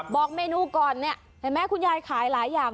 บอกเมนูก่อนเห็นมั้ยคุณยายขายหลายอย่าง